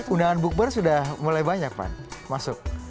undangan bukber sudah mulai banyak van masuk